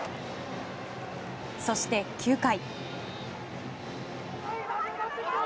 そして９回。